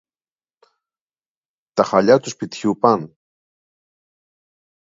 Τα χαλιά του σπιτιού παν;